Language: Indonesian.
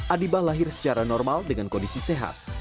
adibah lahir secara normal dengan kondisi sehat